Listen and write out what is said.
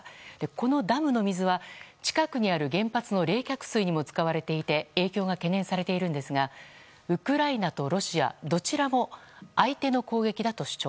このダムの水は近くにある原発の冷却水にも使われていて影響が懸念されていますがウクライナとロシアどちらも相手の攻撃だと主張。